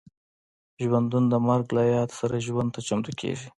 ژوندي د مرګ له یاد سره ژوند ته چمتو کېږي